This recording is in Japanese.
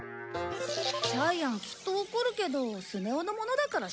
ジャイアンきっと怒るけどスネ夫のものだから仕方ないね。